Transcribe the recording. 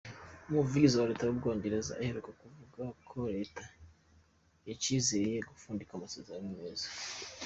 Umuvugizi wa leta y'Ubwongereza aheruka kuvuga ko leta "icizeye gupfundika amasezerano meza".